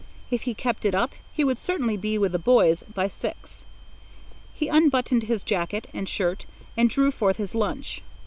If he kept it up, he would certainly be with the boys by six. He unbuttoned his jacket and shirt and drew forth his lunch.